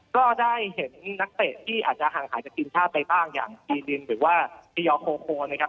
ก็ได้เห็นนักเตะที่อาจจะห่างหายจากทีมชาติไปบ้างอย่างอีรินหรือว่าตียอโคโคนะครับ